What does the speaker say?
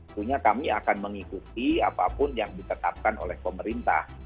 tentunya kami akan mengikuti apapun yang ditetapkan oleh pemerintah